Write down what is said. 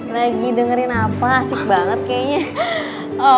lagi dengerin apa asik banget kayaknya